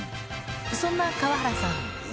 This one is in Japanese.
そんな川原さん。